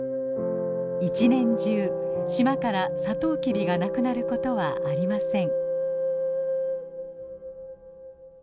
一年中島からサトウキビが無くなることはありません。